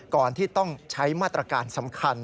ก่อนที่ต้องใช้มาตรการสำคัญ